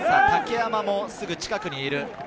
竹山もすぐ近くにいる。